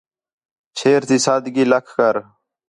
چھیر تی سادگی لَکھ کر